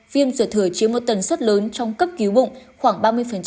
viêm ruột thừa chiếm một tần suất lớn trong cấp cứu bụng khoảng ba mươi